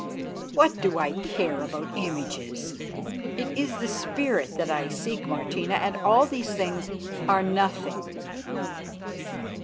"What do I care about images? It is the spirit that I seek, Martina, and all these things are nothing."